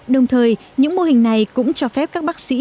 đồng thời những mô hình này cũng cho phép các bác sĩ